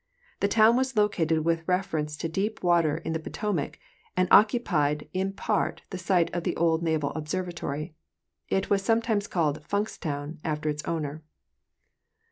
The town was located with reference to deep water in the Potomac, and occu pied in part the site of the old Naval Observatory. It was some times called Funkstown, after its owner.